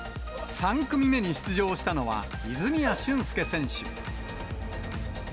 ３組目に出場したのは、泉谷駿介選手。